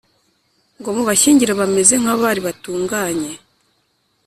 ngo mubashyingire bameze nk abari batunganye